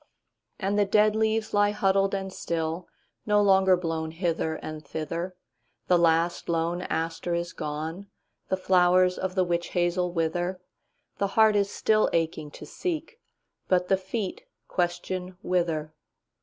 And the dead leaves lie huddled and still, No longer blown hither and thither; The last lone aster is gone; The flowers of the witch hazel wither; The heart is still aching to seek, But the feet question 'Whither?